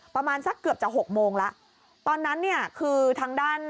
ประมาณสักเกือบจะหกโมงแล้วตอนนั้นเนี่ยคือทางด้าน